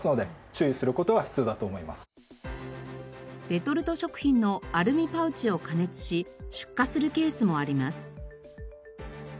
レトルト食品のアルミパウチを加熱し出火するケースもあります。